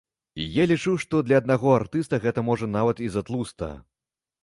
І я лічу, што для аднаго артыста гэта можа нават і затлуста.